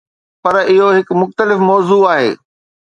پر اهو هڪ مختلف موضوع آهي.